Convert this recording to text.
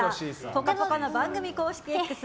「ぽかぽか」の番組公式Ｘ